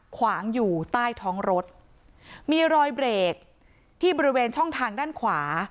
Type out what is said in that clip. ขวางอยู่ใต้ท้องรถมีรอยเบรกที่บริเวณช่องทางด้านขวา